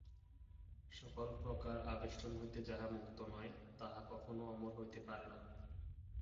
সকল প্রকার আবেষ্টন হইতে যাহা মুক্ত নয়, তাহা কখনও অমর হইতে পারে না।